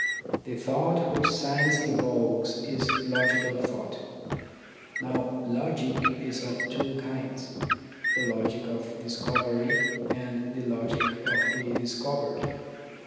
The thought which science evokes is logical thought. Now logic is of two kinds : the logic of discovery and the logic of the discovered.